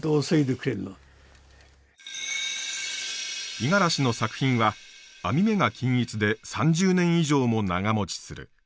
五十嵐の作品は網目が均一で３０年以上も長もちする。